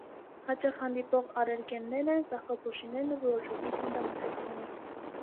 Հաճախ հանդիպող ալերգեններն են ծաղկափոշիներն ու որոշակի սննդամթերքները։